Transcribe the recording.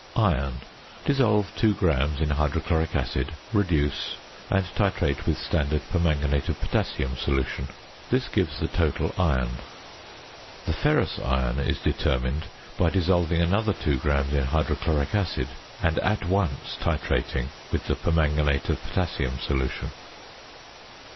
~Iron.~ Dissolve 2 grams in hydrochloric acid, reduce, and titrate with standard permanganate of potassium solution. This gives the total iron. The ferrous iron is determined by dissolving another 2 grams in hydrochloric acid and at once titrating with the permanganate of potassium solution.